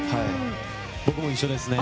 僕も一緒ですね。